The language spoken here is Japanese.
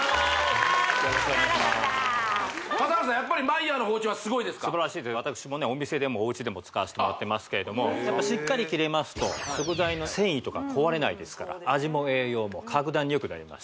やっぱり素晴らしいんで私もお店でもおうちでも使わしてもらってますけれどもしっかり切れますと食材の繊維とか壊れないですから味も栄養も格段によくなります